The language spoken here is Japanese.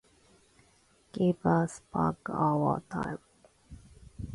Give us back our time.